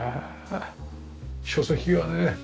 書籍がね。